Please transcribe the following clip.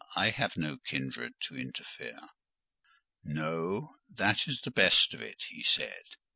I have no kindred to interfere." "No—that is the best of it," he said.